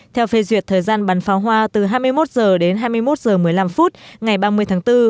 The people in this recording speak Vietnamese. theo phê duyệt thời gian bắn pháo hoa từ hai mươi một h đến hai mươi một h một mươi năm phút ngày ba mươi tháng bốn